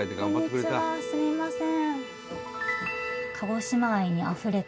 すみません。